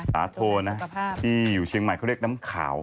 โทนะที่อยู่เชียงใหม่เขาเรียกน้ำขาว